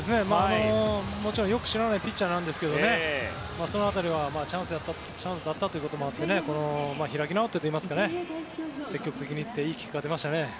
もちろんよく知らないピッチャーなんですがその辺りは、チャンスだったということもあって開き直ってといいますか積極的にいっていい結果が出ましたね。